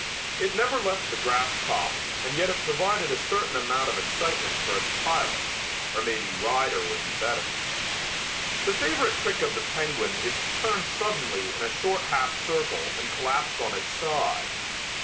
It never left the grass tops and yet it provided a certain amount of excitement for its pilot, or maybe rider would be better. The favorite trick of the penguin is to turn suddenly in a short half circle and collapse on its side.